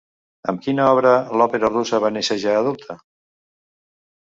Amb quina obra l'òpera russa va néixer ja adulta?